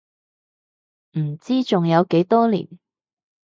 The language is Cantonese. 唔知仲有幾多年